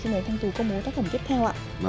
xin mời thanh tú công bố tác phẩm tiếp theo ạ